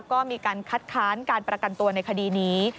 ก็มีการคัดค้านการประกันตัวในคดีนี้